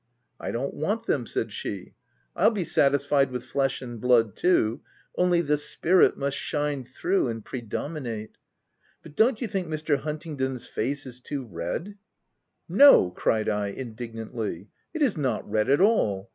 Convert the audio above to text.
" I don't want them," said she. * 111 be satisfied with flesh and blood too — only the spirit must shine through and predominate. But don't you think Mr. Huntingdon's face is too red ?"" No !" cried I, indignantly. " It is not red at all.